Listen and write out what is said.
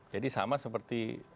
jadi sama seperti